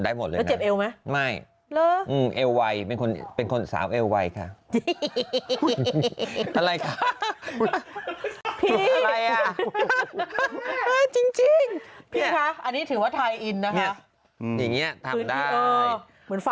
ได้หมดทุกอย่างเมื่อก่อนเราทำได้หมดเลยนะ